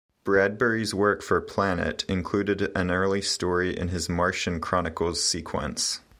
Bradbury's work for "Planet" included an early story in his "Martian Chronicles" sequence.